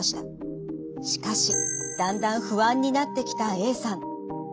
しかしだんだん不安になってきたＡさん。